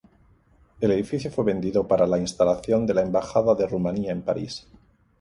El edificio fue vendido para la instalación de la Embajada de Rumanía en París.